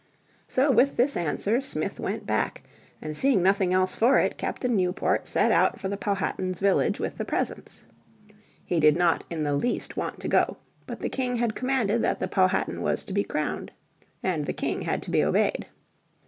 So with this answer Smith went back, and seeing nothing else for it Captain Newport set out for the Powhatan's village with the presents. He did not in the least want to go, but the King had commanded that the Powhatan was to be crowned. And the King had to be obeyed.